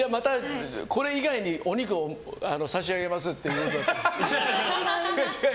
これ以外にお肉を差し上げますってことだと。